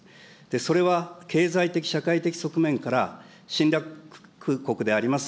それは経済的、社会的側面から、侵略国であります